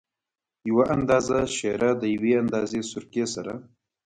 یو اندازه شېره د یوې اندازه سرکې سره.